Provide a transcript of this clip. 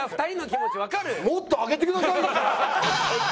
もっとあげてくださいよじゃあ！